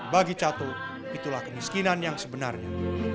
bagi cato itulah kemiskinan yang sebenarnya